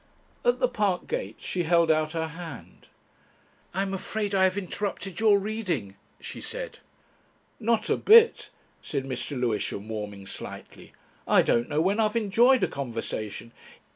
At the park gates she held out her hand. "I'm afraid I have interrupted your reading," she said. "Not a bit," said Mr. Lewisham, warming slightly. "I don't know when I've enjoyed a conversation...."